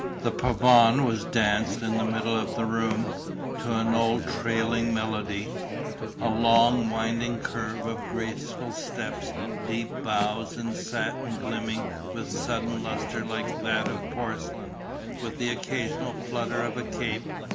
The pavane was danced in the middle of the room, to an old trailing melody: a long, winding curve of graceful steps, deep bows and satin gleaming with sudden lustre like that of porcelain ... with the occasional flutter of a cape